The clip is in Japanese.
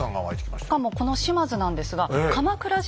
しかもこの島津なんですがうん。